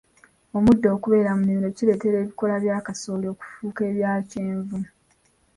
Omuddo okubeera mu nnimiro kireetera ebikoola bya kasooli okufuuka ebya kyenvu.